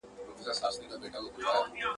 د نسترن څڼو کي.